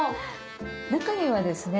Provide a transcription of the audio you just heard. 中にはですね